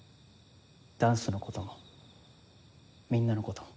ダンスのこともみんなのことも。